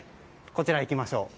こちら行きましょう。